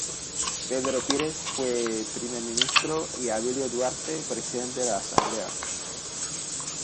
Pedro Pires fue Primer Ministro, y Abilio Duarte presidente de la Asamblea.